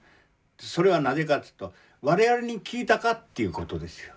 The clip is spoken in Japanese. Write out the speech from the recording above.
それはなぜかっつうと我々に聞いたかっていうことですよ。